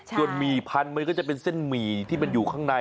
ส่วนหมี่พันธุ์มันก็จะเป็นเส้นหมี่ที่มันอยู่ข้างใน